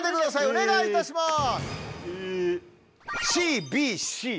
お願いいたします。